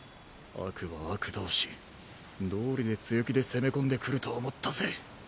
悪は悪同士どうりで強気で攻め込んでくると思ったぜ。